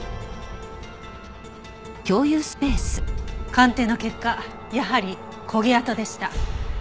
鑑定の結果やはり焦げ跡でした。